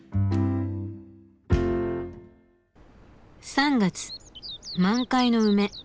３月満開の梅。